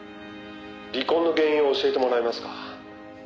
「離婚の原因を教えてもらえますか？」